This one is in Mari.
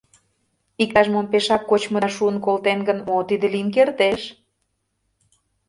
Иктаж-мом пешак кочмыда шуын колтен гын, мо тиде лийын кертеш?